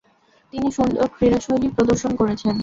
তিনি সুন্দর ক্রীড়াশৈলী প্রদর্শন করেছেন।